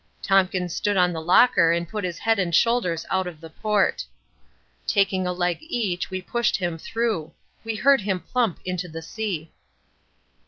Tompkins stood on the locker and put his head and shoulders out of the port. Taking a leg each we pushed him through. We heard him plump into the sea.